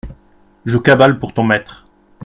Je cabale pour ton maître.